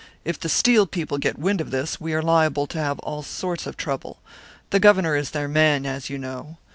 If the Steel people get wind of this, we are liable to have all sorts of trouble; the Governor is their man, as you know.